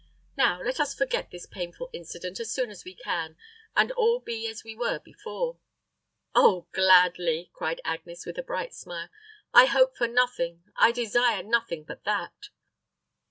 Now let us forget this painful incident as soon as we can, and all be as we were before." "Oh gladly," cried Agnes, with a bright smile. "I hope for nothing, I desire nothing but that."